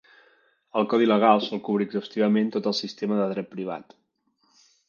El Codi legal sol cobrir exhaustivament tot el sistema de dret privat.